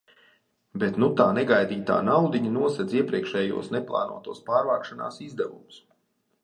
Bet nu tā negaidītā naudiņa nosedz iepriekšējos neplānotos pārvākšanās izdevumus.